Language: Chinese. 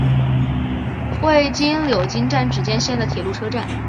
会津柳津站只见线的铁路车站。